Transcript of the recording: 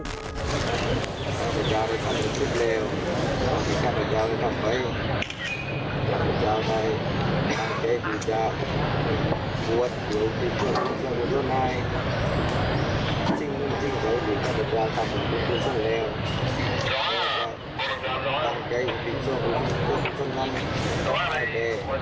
โดยมีปียชัดทำหน้าที่เป็นผู้ช่วย